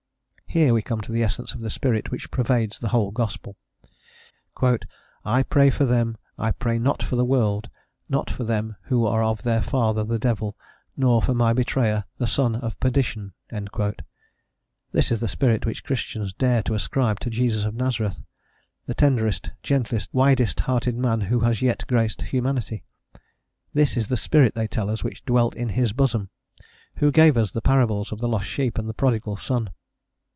Here we come to the essence of the spirit which pervades this whole gospel. "I pray for them; I pray not for the world: not for them who are of their father the devil, nor for my betrayer, the son of perdition." This is the spirit which Christians dare to ascribe to Jesus of Nazareth, the tenderest, gentlest, widest hearted man who has yet graced humanity. This is the spirit, they tell us, which dwelt in his bosom, who gave us the parables of the lost sheep and the prodigal son.